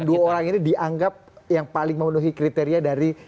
dan dua orang ini dianggap yang paling memenuhi kriteria dari